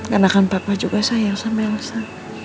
karena kan bapak juga sayang sama elsa